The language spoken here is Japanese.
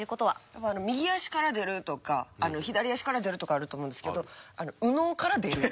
やっぱ右足から出るとか左足から出るとかあると思うんですけど右脳から出る。